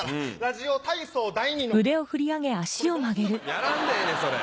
やらんでええねんそれ。